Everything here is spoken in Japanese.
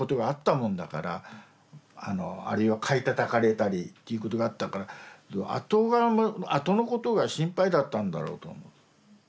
あるいは買いたたかれたりっていうことがあったから後のことが心配だったんだろうと思う。